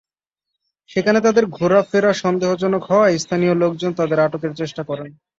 সেখানে তাঁদের ঘোরাফেরা সন্দেহজনক হওয়ায় স্থানীয় লোকজন তাঁদের আটকের চেষ্টা করেন।